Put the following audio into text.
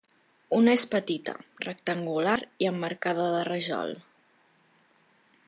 Una és petita, rectangular i emmarcada de rajol.